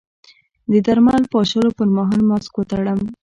د درمل پاشلو پر مهال ماسک وتړم؟